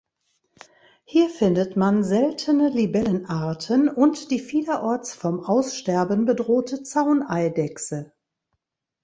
Hier findet man seltene Libellenarten und die vielerorts vom Aussterben bedrohte Zauneidechse.